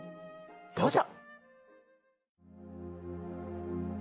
どうぞ。